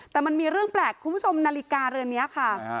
แต่มันมีเรื่องแปลกคุณผู้ชมนาฬิกาเรือนนี้ค่ะ